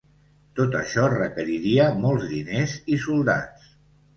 Tot això requeriria molts diners i soldats.